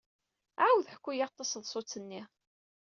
Ɛawed ḥku-aɣ-d taseḍsut-nni.